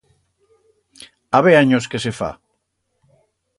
Habe anyos que se fa.